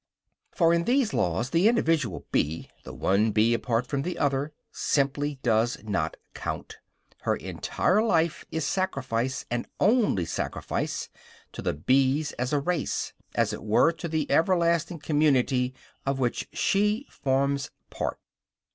For in these laws the individual bee, the one bee apart from the other, simply does not count. Her entire life is sacrifice, and only sacrifice, to the bees as a race; as it were, to the everlasting community, of which she forms part.